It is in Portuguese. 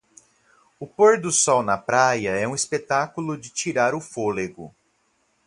O pôr do sol na praia é um espetáculo de tirar o fôlego.